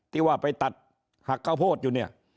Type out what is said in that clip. ที่ว่าไปตัดหักข้าวโพดอยู่เนี่ย